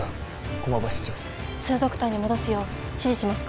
駒場室長２ドクターに戻すよう指示しますか？